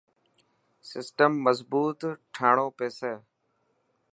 سسٽم مظبوت ٺاڻو پيسي.